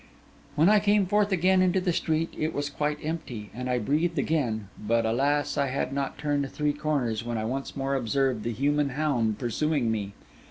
When I came forth again into the street, it was quite empty, and I breathed again; but alas, I had not turned three corners, when I once more observed the human hound pursuing me.